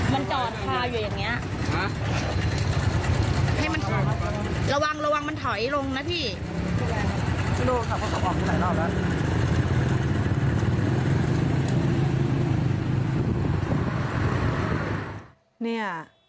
มันจอดค่ะอยู่อย่างเนี้ย